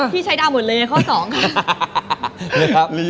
พี่ใช้ดาวหมดเลยข้อ๒